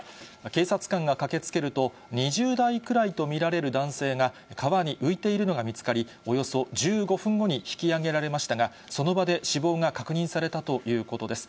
警察官が駆けつけると、２０代くらいと見られる男性が、川に浮いているのが見つかり、およそ１５分後に引き揚げられましたが、その場で死亡が確認されたということです。